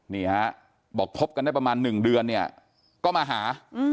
นี่ฮะบอกคบกันได้ประมาณ๑เดือนเนี่ยก็มาหา